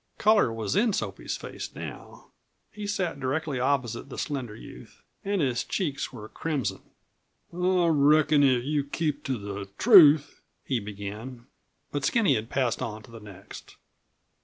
Color was in Soapy's face now. He sat directly opposite the slender youth and his cheeks were crimson. "I reckon if you'd keep to the truth " he began. But Skinny has passed on to the next.